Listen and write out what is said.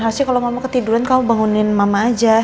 harusnya kalau mama ketiduran kamu bangunin mama aja